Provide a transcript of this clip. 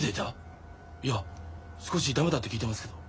いや少し痛めたって聞いてますけど。